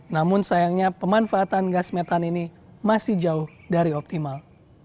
namun sayangnya pemanfaatan gas metan ini masih jauh dari optimal